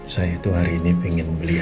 saya itu hari ini pengen beli